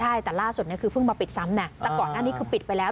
ใช่แต่ล่าสุดเนี่ยคือเพิ่งมาปิดซ้ำนะแต่ก่อนหน้านี้คือปิดไปแล้ว